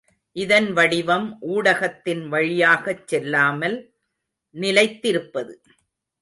இதன் வடிவம் ஊடகத்தின் வழியாகச் செல்லாமல் நிலைத்திருப்பது.